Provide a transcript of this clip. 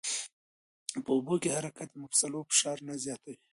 په اوبو کې حرکت د مفصلونو فشار نه زیاتوي.